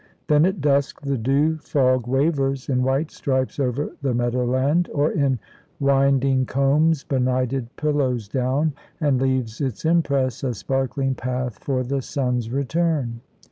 Then at dusk the dew fog wavers in white stripes over the meadowland, or in winding combes benighted pillows down, and leaves its impress a sparkling path for the sun's return.